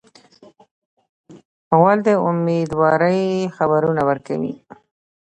غول د امیندوارۍ خبرونه ورکوي.